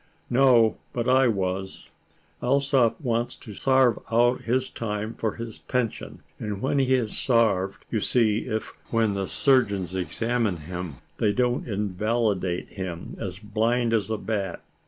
"No, but I was. Alsop wants to sarve out his time for his pension, and when he has sarved, you see if, when the surgeons examine him, they don't invalid him, as blind as a bat.